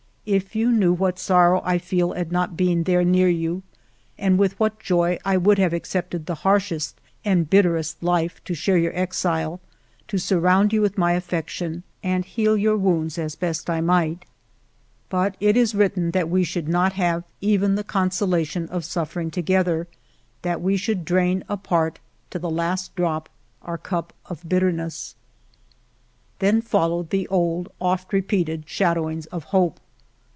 If you knew what sorrow I feel at not being there near you, and with what joy I would have accepted the harshest and bit terest life, to share your exile, to surround you with my affection and heal your wounds as best I might ! ALFRED DREYFUS 269 " But it was written that we should not have even the consolation of suffering together, that we should drain apart, to the very last drop, our cup of bitterness." ... Then followed the old, oft repeated shadow ings of hope.